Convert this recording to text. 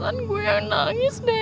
kan gue yang nangis deh